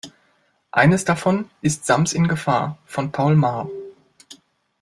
Eines davon ist Sams in Gefahr von Paul Maar.